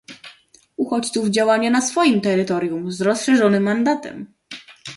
Uchodźców działanie na swoim terytorium, z rozszerzonym mandatem